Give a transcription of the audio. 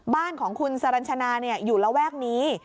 บ้านของคุณสรรชนาอยู่ระแวกนี้